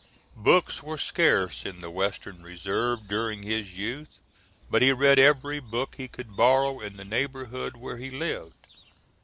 Books were scarce in the Western Reserve during his youth, but he read every book he could borrow in the neighborhood where he lived.